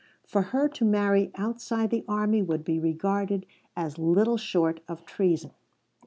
For her to marry outside the army would be regarded as little short of treason.